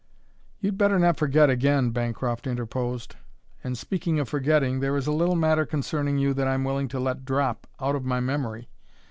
"You'd better not forget again," Bancroft interposed. "And, speaking of forgetting, there is a little matter concerning you that I'm willing to let drop out of my memory.